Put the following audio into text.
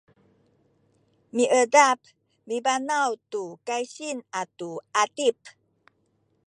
miedap mibanaw tu kaysing atu atip